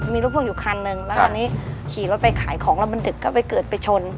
มีรถพ่วงอยู่คันนึงแล้วตอนนี้ขี่รถไปขายของแล้วมันดึกก็ไปเกิดไปชน